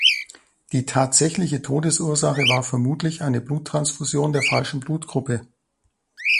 Die tatsächliche Todesursache war vermutlich eine Bluttransfusion der falschen Blutgruppe.